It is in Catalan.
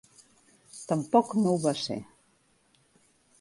Tampoc no ho va ser.